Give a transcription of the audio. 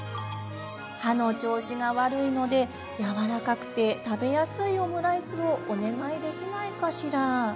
歯の調子が悪いのでやわらかくて食べやすいオムライスをお願いできないかしら？